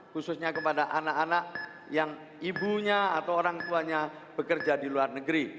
khususnya kepada anak anak yang ibunya atau orang tuanya bekerja di luar negeri